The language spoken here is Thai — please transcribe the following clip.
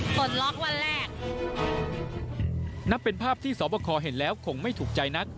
ปลดล็อกวันแรกนับเป็นภาพที่สวบคอเห็นแล้วคงไม่ถูกใจนัก